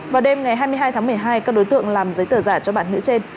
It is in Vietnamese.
vào đêm ngày hai mươi hai tháng một mươi hai các đối tượng làm giấy tờ giả cho bạn nữ trên